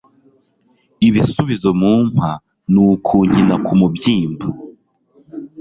ibisubizo mumpa, ni ukunkina ku mubyimba